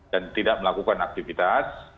dan tidak melakukan aktivitas